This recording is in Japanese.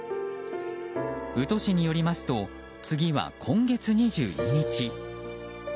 宇土市によりますと次は今月２２日。